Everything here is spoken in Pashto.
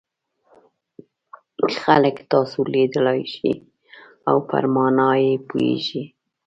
خلک تاسو لیدلای شي او پر مانا یې پوهیږي.